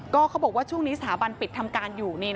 ก็เขาบอกว่าช่วงนี้สถาบันปิดทำการอยู่